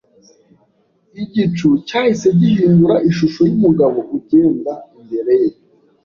Igicu cyahise gihindura ishusho yumugabo ugenda imbere ye.